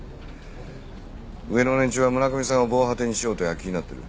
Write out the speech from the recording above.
上の連中は村上さんを防波堤にしようと躍起になってる。